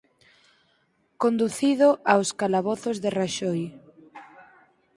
Conducido aos calabozos de Raxoi.